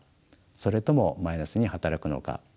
それともマイナスに働くのか。